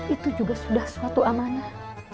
itu juga sudah suatu amanah